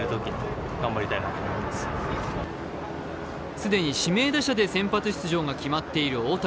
既に指名打者で先発出場が決まっている大谷。